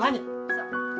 そう。